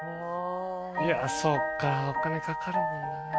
そっかお金かかるもんな。